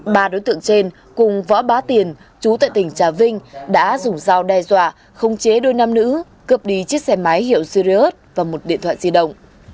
ba đối tượng trên cùng võ bá tiền chú tại tỉnh trà vinh đã dùng dao đe dọa khống chế đôi nam nữ cướp đi chiếc xe máy hiệu ziriot và một điện thoại di động